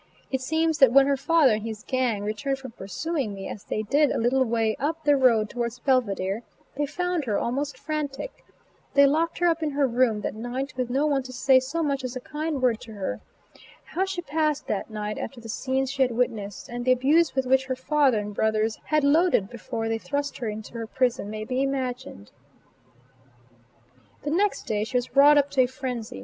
It seems that when her father and his gang returned from pursuing me, as they did a little way up the road towards Belvidere, they found her almost frantic. They locked her up in her room that night with no one to say so much as a kind word to her. How she passed that night, after the scenes she had witnessed, and the abuse with which her father and brothers had loaded her before they thrust her into her prison, may be imagined. The next day she was wrought up to a frenzy.